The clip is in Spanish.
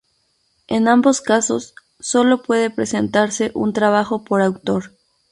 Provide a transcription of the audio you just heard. En ambos casos sólo puede presentarse un trabajo por autor.